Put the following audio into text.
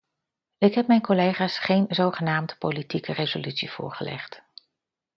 Ik heb mijn collega's geen zogenaamd politieke resolutie voorgelegd.